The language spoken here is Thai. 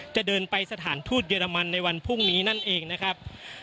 จะเดินไปสถานทูตเยอรมันในวันพรุ่งนี้นั่นเองนะครับ